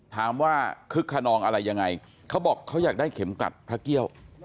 คึกขนองอะไรยังไงเขาบอกเขาอยากได้เข็มกลัดพระเกี้ยว